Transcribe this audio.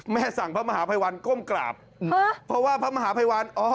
สั่งพระมหาภัยวันก้มกราบเพราะว่าพระมหาภัยวันอ๋อ